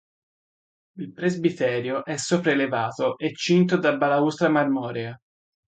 Il presbiterio è sopraelevato e cinto da balaustra marmorea.